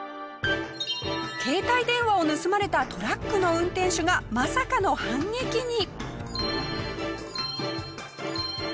携帯電話を盗まれたトラックの運転手がまさかの反撃に。